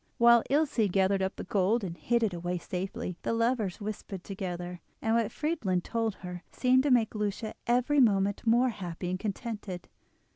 While Ilse gathered up the gold and hid it away safely, the lovers whispered together, and what Friedlin told her seemed to make Lucia every moment more happy and contented.